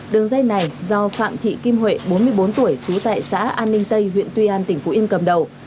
đường dây này do phạm thị kim huệ bốn mươi bốn tuổi trú tại xã an ninh tây huyện tuy an tỉnh phú yên cầm đầu